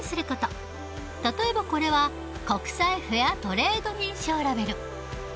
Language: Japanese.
例えばこれは国際フェアトレード認証ラベル。